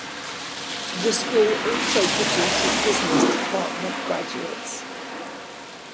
The school also produces Business Department graduates.